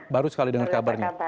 baru sekali dengar kabarnya gitu ya